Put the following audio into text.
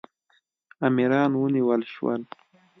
امیران ونیول شول.